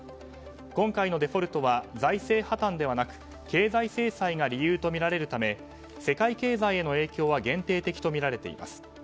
今回のデフォルトは財政破綻ではなく経済制裁が理由とみられるため世界経済への影響は限定的とみられています。